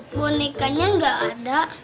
kok bonekanya gak ada